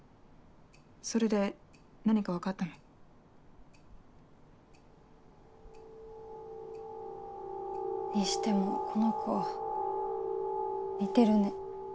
それで何か分かったの？にしてもこの子似てるね。